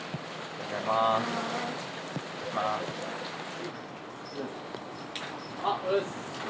おはようございます。